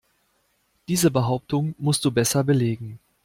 Diese Behauptung musst du besser belegen.